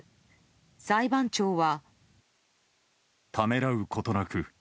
裁判長は。